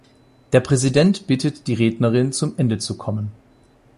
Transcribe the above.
Der Präsident bittet die Rednerin zum Ende zu kommen.